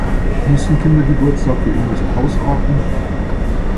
Müssen Kindergeburtstage immer so ausarten?